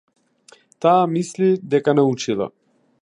Таа мисли дека научила.